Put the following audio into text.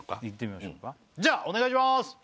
いってみましょうかじゃお願いします